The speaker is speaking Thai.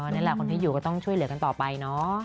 นี่แหละคนที่อยู่ก็ต้องช่วยเหลือกันต่อไปเนอะ